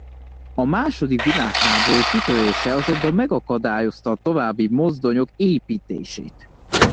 A második világháború kitörése azonban megakadályozta a további mozdonyok építését.